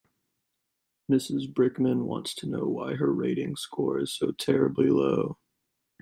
Mrs Brickman wants to know why her rating score is so terribly low.